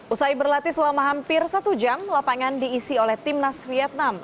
usai berlatih selama hampir satu jam lapangan diisi oleh timnas vietnam